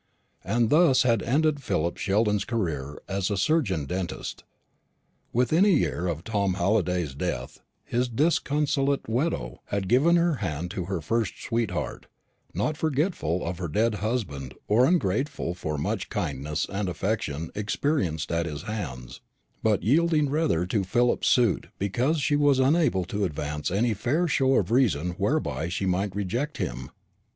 And thus had ended Philip Sheldon's career as a surgeon dentist. Within a year of Tom Halliday's death his disconsolate widow had given her hand to her first sweetheart, not forgetful of her dead husband or ungrateful for much kindness and affection experienced at his hands, but yielding rather to Philip's suit because she was unable to advance any fair show of reason whereby she might reject him.